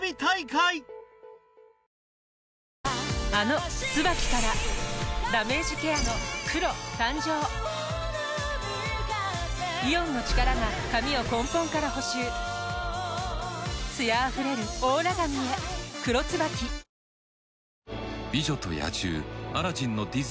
あの「ＴＳＵＢＡＫＩ」からダメージケアの黒誕生イオンの力が髪を根本から補修艶あふれるオーラ髪へ「黒ＴＳＵＢＡＫＩ」Ｄｏｙｏｕｋｎｏｗラクサ？